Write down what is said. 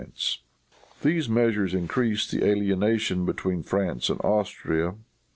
"] These measures increased the alienation between France and Austria.